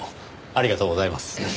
ありがとうございます。